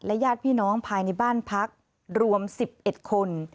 ญาติพี่น้องภายในบ้านพักรวม๑๑คน